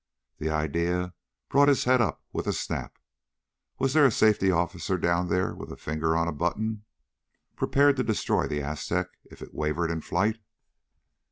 The idea brought his head up with a snap. Was there a safety officer down there with a finger on a button ... prepared to destroy the Aztec if it wavered in flight?